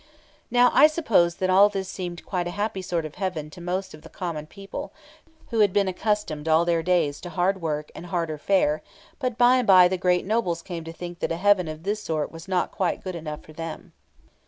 Now, I suppose that all this seemed quite a happy sort of heaven to most of the common people, who had been accustomed all their days to hard work and harder fare; but by and by the great nobles came to think that a heaven of this sort was not quite good enough for them.